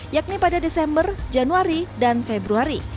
yakni pada desember januari dan februari